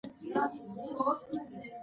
د وړیو څخه ګرمې جامې جوړیږي.